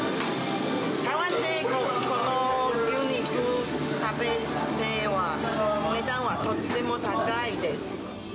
台湾でこの牛肉食べたら、値段はとっても高いです。